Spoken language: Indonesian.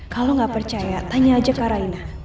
kalau gak percaya tanya aja kak raina